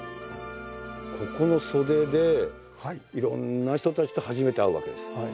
ここの袖でいろんな人たちと初めて会うわけです。